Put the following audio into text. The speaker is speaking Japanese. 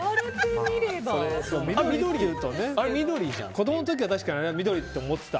子供の時は確かに緑って思ってた。